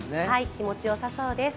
気持ちよさそうです。